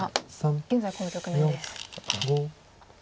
現在この局面です。